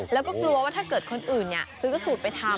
แล้วก็กลัวว่าถ้าเกิดคนอื่นซื้อสูตรไปทำ